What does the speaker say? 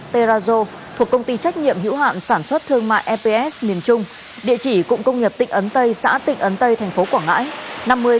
terazio thuộc công ty trách nhiệm hữu hạn sản xuất thương mại eps miền trung địa chỉ cụng công nghiệp tịnh ấn tây xã tịnh ấn tây thành phố quảng ngãi